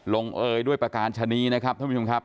เอ่ยด้วยประการชะนีนะครับท่านผู้ชมครับ